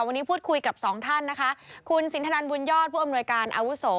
วันนี้พูดคุยกับสองท่านนะคะคุณสินทนันบุญยอดผู้อำนวยการอาวุโส